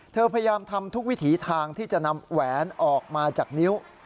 พยายามทำทุกวิถีทางที่จะนำแหวนออกมาจากนิ้ว